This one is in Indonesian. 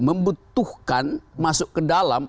membutuhkan masuk ke dalam